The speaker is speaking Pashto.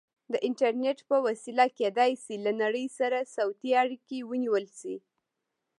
د انټرنیټ په وسیله کیدای شي له نړۍ سره صوتي اړیکې ونیول شي.